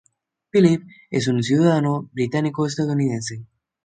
Philip es un ciudadano británico-estadounidense.